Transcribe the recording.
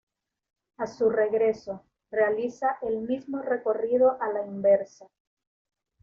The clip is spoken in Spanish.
A su regreso, realiza el mismo recorrido a la inversa.